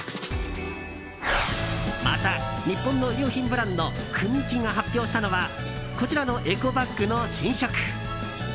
また、日本の衣料品ブランドＫＵＭＩＫＩが発表したのはこちらのエコバッグの新色。